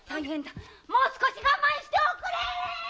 もう少し我慢しておくれ‼